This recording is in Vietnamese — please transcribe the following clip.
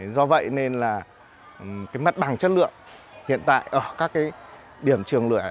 do vậy nên mặt bằng chất lượng hiện tại ở các điểm trường lẻ